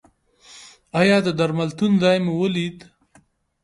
ایا د درملتون ځای مو ولید؟